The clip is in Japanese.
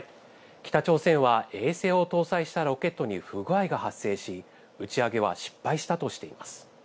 北朝鮮は衛星を搭載したロケットに不具合が発生し、打ち上げは失敗したとしています。